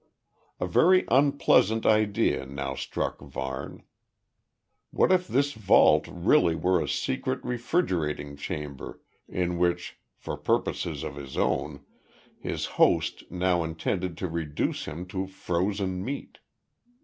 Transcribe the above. A very unpleasant idea now struck Varne. What if this vault really were a secret refrigerating chamber, in which, for purposes of his own, his "host" now intended to reduce him to frozen meat?